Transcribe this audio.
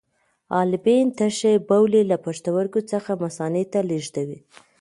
حالبین تشې بولې له پښتورګو څخه مثانې ته لیږدوي.